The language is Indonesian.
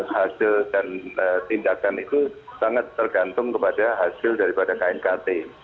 hasil dan tindakan itu sangat tergantung kepada hasil daripada knkt